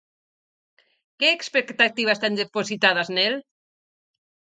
Que expectativas ten depositadas nel?